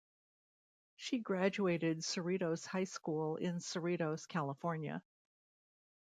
She graduated Cerritos High School in Cerritos, California.